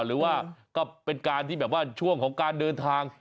หรือว่าก็เป็นการที่แบบว่าช่วงของการเดินทาง